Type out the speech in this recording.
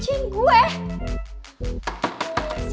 sebenarnya dia udah kena pilih